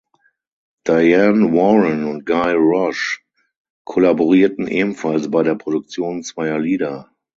Diane Warren und Guy Roche kollaborierten ebenfalls bei der Produktion zweier Lieder.